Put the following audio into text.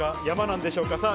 山なんでしょうか？